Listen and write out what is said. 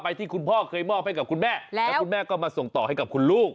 ที่คุณพ่อเคยมอบให้กับคุณแม่แล้วคุณแม่ก็มาส่งต่อให้กับคุณลูก